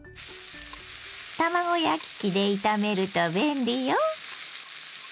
卵焼き器で炒めると便利よ。